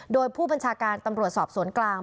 โดยผู้บัญชาการตำรวจสอบสวนกลาง